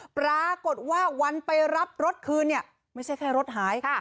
ปรากฏว่าวันไปรับรถคืนเนี่ยไม่ใช่แค่รถหาย